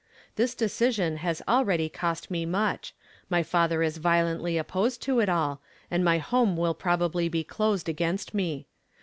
This decision has already cost me much ; my father is violently opposed to it all, and my home will probably be closed against me.